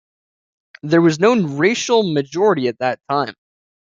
There was no racial majority at that time.